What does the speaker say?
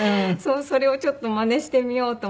それをちょっとまねしてみようと思って。